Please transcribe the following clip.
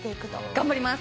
頑張ります！